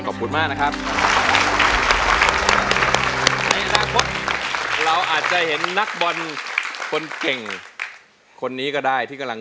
ด้วยกระบวนมานะครับอ่าให้หน่าข้นเราอาจจะเห็นนักบอลคนเก่งคนนี้ก็ได้ที่กำลัง